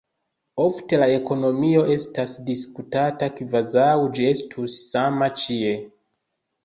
Ofte la ekonomio estas diskutata kvazaŭ ĝi estus sama ĉie.